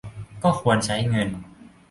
ก็ควรใช้เงิน